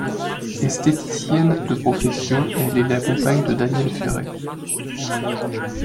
Esthéticienne de profession, elle est la compagne de Daniel Féret.